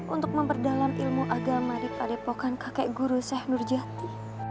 untuk memperdalam ilmu agama di padepokan kakek guru sheikh nurjati